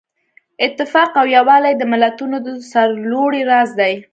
اتفاق او یووالی د ملتونو د سرلوړۍ راز دی.